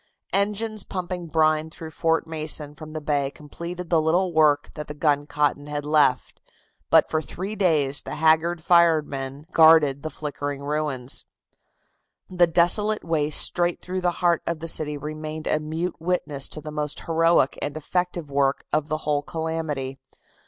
Engines pumping brine through Fort Mason from the bay completed the little work that the guncotton had left, but for three days the haggard eyed firemen guarded the flickering ruins. The desolate waste straight through the heart of the city remained a mute witness to the most heroic and effective work of the whole calamity.